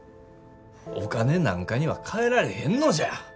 お金なんかにはかえられへんのじゃ。